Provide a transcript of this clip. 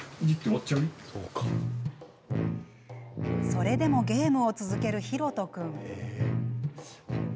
それでもゲームを続けるひろと君。